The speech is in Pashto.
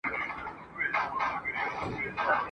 د وطن د عشق پتنګ دی